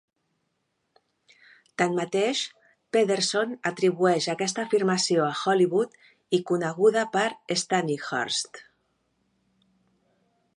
Tanmateix, Pederson atribueix aquesta afirmació a Holywood i coneguda per Stanihurst.